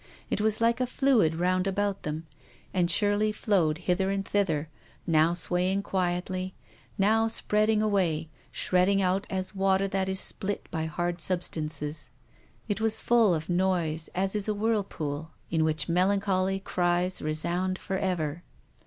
It was like a fluid round about them, and surely flowed hither and thither, now swaying quietly, now spreading away, shredded out as water that is split by hard substances. It was full of noise as is a whirlpool, in which melancholy cries resound forever.